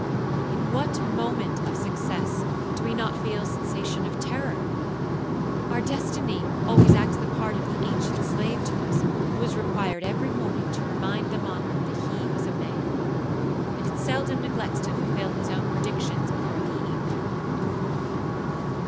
in what moment of success do we not feel a sensation of terror? Our destiny always acts the part of the ancient slave to us, who was required every morning to remind the monarch that he was a man; and it seldom neglects to fulfil its own predictions before the evening.